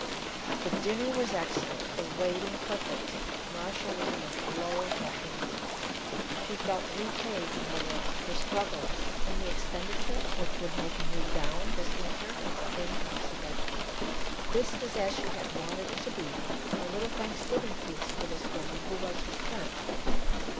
The dinner was excellent, the waiting perfect. Marcia was in a glow of happiness. She felt repaid for her work, her struggles, and the expenditure which would make a new gown this winter impossible. This was as she had wanted it to be a little Thanksgiving feast for this woman who was her friend.